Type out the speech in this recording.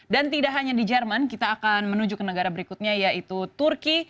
dan tidak hanya di jerman kita akan menuju ke negara berikutnya yaitu turki